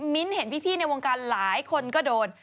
มิ้นท์เห็นพี่ในวงการหลายคนก็โดน